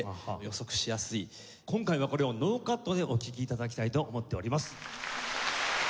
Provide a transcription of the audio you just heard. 今回はこれをノーカットでお聴き頂きたいと思っております。